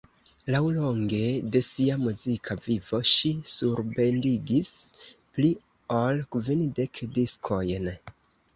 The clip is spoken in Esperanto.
Laŭlonge de sia muzika vivo ŝi surbendigis pli ol kvindek diskojn.